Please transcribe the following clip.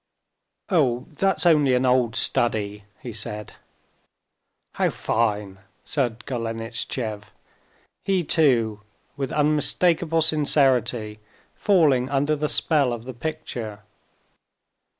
"Oh, that's only an old study," he said. "How fine!" said Golenishtchev, he too, with unmistakable sincerity, falling under the spell of the picture.